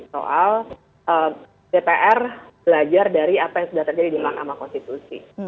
soal dpr belajar dari apa yang sudah terjadi di mahkamah konstitusi